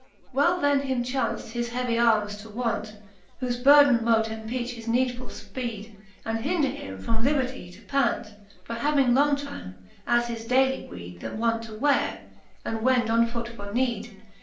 XIX. Well then him chaunft his heavy armes to want, Whofe burden mote empeach his needfuU Ipeed, And hinder him from liber tie to pant: For having long time, as his daily weed," Them wont to wcare, and wend on foot for need.